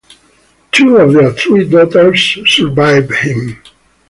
Two of their three daughters survived him.